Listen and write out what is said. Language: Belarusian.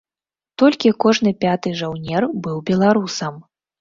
Толькі кожны пяты жаўнер быў беларусам.